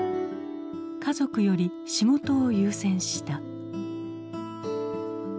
家族より仕事を優先した。